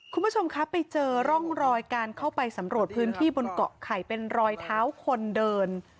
คุณผู้ชมครับไปเจอร่องรอยการเข้าไปสำรวจพื้นที่บนเกาะไข่เป็นรอยเท้าคนเดิน